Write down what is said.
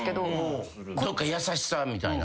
どっか優しさみたいな？